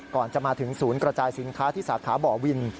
ก่อนจะมาถึงศูนย์กระจายสินค้าที่สาขาบ่อวิน